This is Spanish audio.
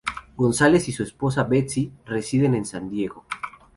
González y su esposa Betsy, residen en San Diego.